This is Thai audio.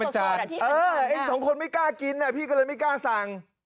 ไอ้สองคนไม่กล้ากินพี่ก็เลยไม่กล้าสั่ง